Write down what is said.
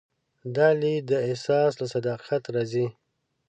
دا لید د احساس له صداقت راځي.